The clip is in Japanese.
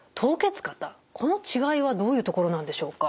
この違いはどういうところなんでしょうか？